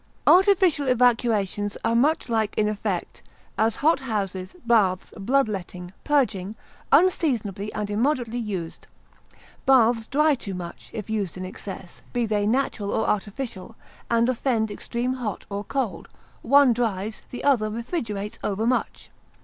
Artificial evacuations are much like in effect, as hot houses, baths, bloodletting, purging, unseasonably and immoderately used. Baths dry too much, if used in excess, be they natural or artificial, and offend extreme hot, or cold; one dries, the other refrigerates overmuch.